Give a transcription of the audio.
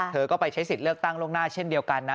เธอก็ไปใช้สิทธิ์เลือกตั้งล่วงหน้าเช่นเดียวกันนะ